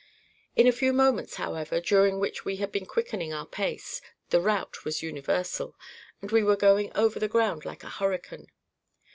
In a few moments, however, during which we had been quickening our pace, the rout was universal, and we were going over the ground like a hurricane.